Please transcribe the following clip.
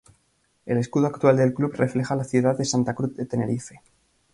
El escudo actual del club refleja la ciudad de Santa Cruz de Tenerife.